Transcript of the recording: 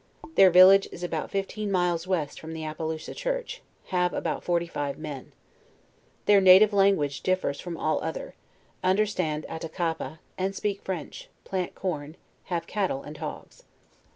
Their village is about fifteen miles west from the Appalousa church; have about forty five men Their native language differs from all other; understand Attacapa, and speak Frerch; plant corn, have cattle and hogs.